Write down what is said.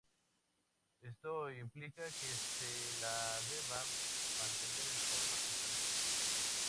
Esto implica que se la deba mantener en forma constante.